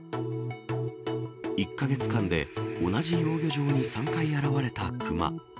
１か月間で同じ養魚場に３回現れた熊。